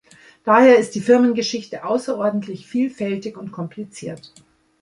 Daher ist die Firmengeschichte außerordentlich vielfältig und kompliziert.